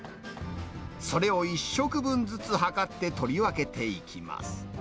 それを１食分ずつ量って取り分けていきます。